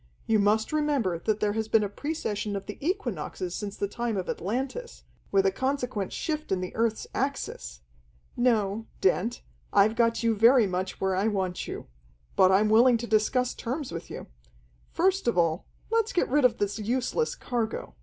You must remember that there has been a precession of the equinoxes since the time of Atlantis, with a consequent shift in the earth's axis. No, Dent, I've got you very much where I want you. But I'm willing to discuss terms with you. First of all, let's get rid of this useless cargo.